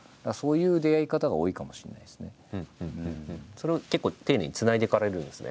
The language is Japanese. それを結構丁寧につないでいかれるんですね。